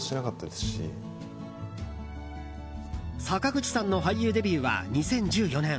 坂口さんの俳優デビューは２０１４年。